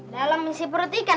dalam misi perut ikan